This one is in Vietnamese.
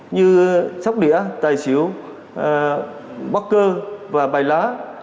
như sóc đĩa tài xíu bóc cơ và bài lá